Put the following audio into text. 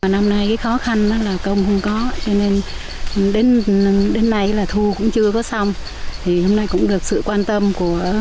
nếu không tiêu chín nhiều quá rụng đen thì sản lượng cũng mất